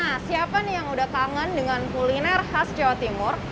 nah siapa nih yang udah kangen dengan kuliner khas jawa timur